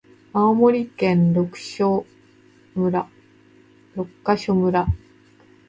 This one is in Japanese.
青森県六ヶ所村